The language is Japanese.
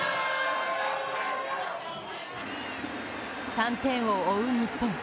３点を追う日本。